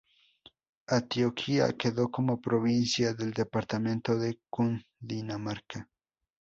Antioquia quedó como provincia del departamento de Cundinamarca.